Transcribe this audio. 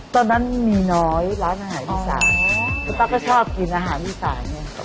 ตอนนั้นมีน้อยร้านอาหารอีสานคุณตั๊กก็ชอบกินอาหารอีสานไง